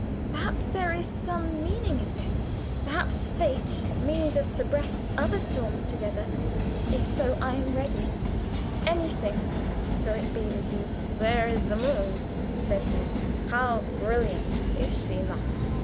"Perhaps there is some meaning in this. Perhaps fate means us to breast other storms together. If so, I am ready anything so it be with you." "There's the moon," said he; "how brilliant, is she not?"